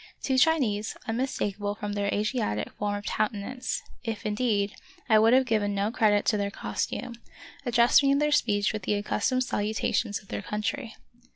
Two Chinese, unmistakable from their Asiatic form of countenance, if, indeed, I would have given no credit to their costume, addressed me in their speech with the accustomed salutations of their country.